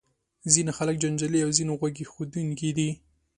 ځینې خلک جنجالي او ځینې غوږ ایښودونکي دي.